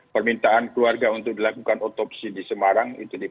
permintaan keluarga untuk dilakukan otopsi di semarang